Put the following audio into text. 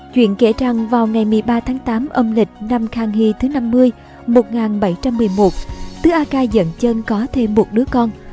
chuyện kể rằng vào ngày một mươi ba tháng tám âm lịch năm khang hy thứ năm mươi một nghìn bảy trăm một mươi một tứ a ca dân chân có thêm một đứa con